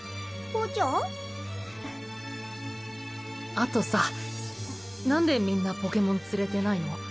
あとさなんでみんなポケモン連れてないの？